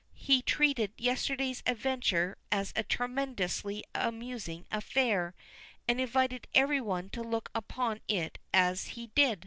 He treated yesterday's adventure as a tremendously amusing affair, and invited everyone to look upon it as he did.